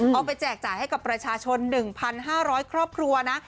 ไปแจกจ่ายให้กับประชาชน๑๕๐๐ครอบครัวนะ